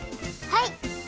はい。